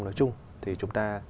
nói chung thì chúng ta